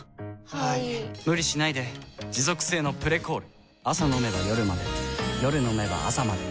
はい・・・無理しないで持続性の「プレコール」朝飲めば夜まで夜飲めば朝まで